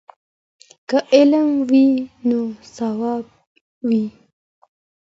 که علم وي نو ثواب وي.